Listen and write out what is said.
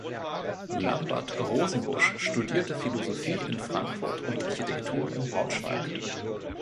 Lambert Rosenbusch studierte Philosophie in Frankfurt und Architektur in Braunschweig.